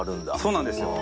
そうなんですよ。